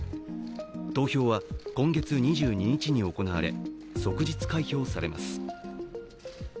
投票は今月２２日に行われ、即日開票されます。